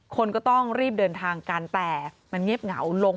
คนก็ต้องรีบเดินทางกันแต่มันเงียบเหงาลง